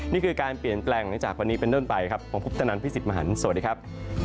นี่คือการเปลี่ยนแปลงหลังจากวันนี้เป็นต้นไปครับผมคุปตนันพี่สิทธิ์มหันฯสวัสดีครับ